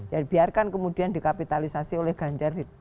ya biarkan kemudian dikapitalisasi oleh ganjar